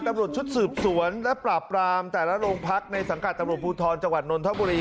ตำรวจชุดสืบสวนและปราบปรามแต่ละโรงพักในสังกัดตำรวจภูทรจังหวัดนนทบุรี